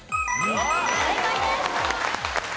正解です！